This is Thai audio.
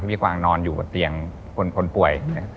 พี่กวางนอนอยู่กับเตียงคนป่วย